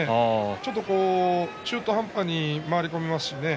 ちょっと中途半端に回り込みますしね。